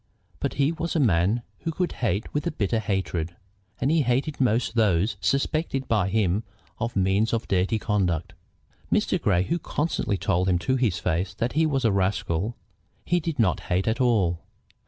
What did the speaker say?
But he was a man who could hate with a bitter hatred, and he hated most those suspected by him of mean or dirty conduct. Mr. Grey, who constantly told him to his face that he was a rascal, he did not hate at all.